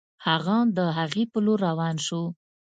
هغه د هغې په لور روان شو